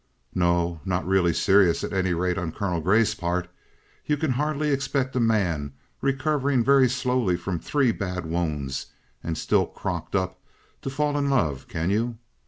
"No, not really serious at any rate, on Colonel Grey's part. You can hardly expect a man, recovering very slowly from three bad wounds and still crocked up, to fall in love, can you?